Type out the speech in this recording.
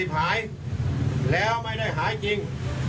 หายแล้วไม่ได้หายจริง